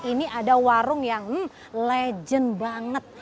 ini ada warung yang legend banget